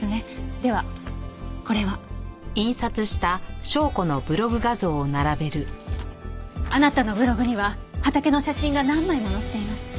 ではこれは？あなたのブログには畑の写真が何枚も載っています。